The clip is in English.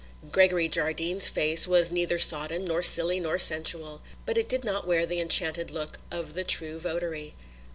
Gregory Jardine's face was neither sodden nor silly nor sensual; but it did not wear the enchanted look of the true votary.